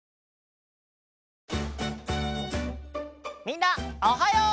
みんなおはよう！